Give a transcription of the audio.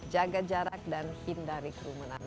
jaga jarak dan hindari kerumunan